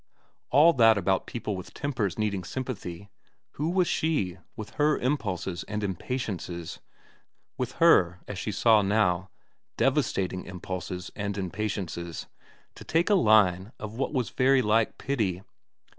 All that about people with tempers needing sympathy, who was she, with her impulses and impatiences with her, as she now saw, devastating impulses and impatiences to take a line of what was very like pity.